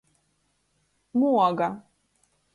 Muoga.